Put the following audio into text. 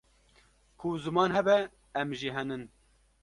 ku ziman hebe em jî henin